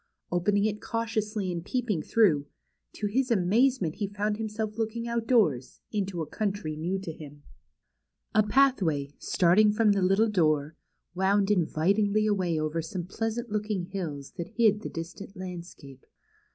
Opening it cau tiously and peeping through, to his amazement he found himself looking outdoors, into a country new to him. A pathway, starting from the little door, Avound invit 56 THE CHILDREN'S WONDER BOOK. ingly away over some pleasant looking hills that hid the distant landscape.